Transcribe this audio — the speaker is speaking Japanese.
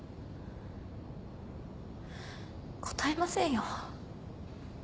答えませんよ。